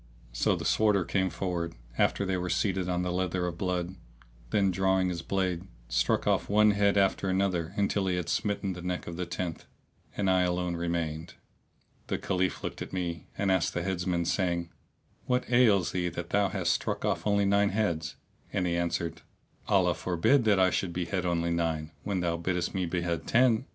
So the Sworder came forward after they were seated on the leather of blood;[FN#634] then drawing his blade, struck off one head after another until he had smitten the neck of the tenth; and I alone remained. The Caliph looked at me and asked the Heads man, saying, "What ails thee that thou hast struck off only nine heads?"; and he answered, "Allah forbid that I should behead only nine, when thou biddest me behead ten!"